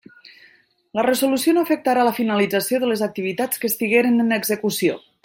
La resolució no afectarà la finalització de les activitats que estigueren en execució.